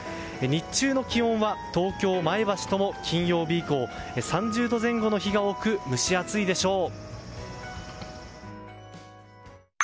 日中の気温は東京、前橋とも金曜日以降３０度前後の日が多く蒸し暑いでしょう。